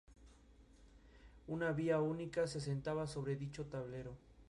Una vía única se asentaba sobre dicho tablero.